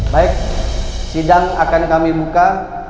baik sidang akan kami buka